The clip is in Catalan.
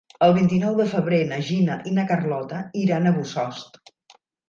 El vint-i-nou de febrer na Gina i na Carlota iran a Bossòst.